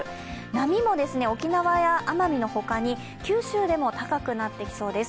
波も沖縄や奄美のほかに九州でも高くなってきそうです。